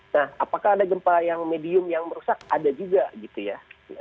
nah apakah ada gempa yang medium yang merusak ada juga gitu ya